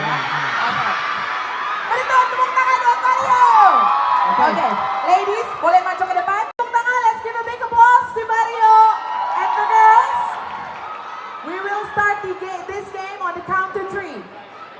โอเคข้าวโปรดละ